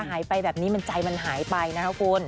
หายไปแบบนี้มันใจมันหายไปนะคะคุณ